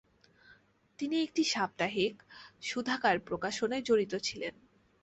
তিনি একটি সাপ্তাহিক, সুধাকার প্রকাশনায় জড়িত ছিলেন।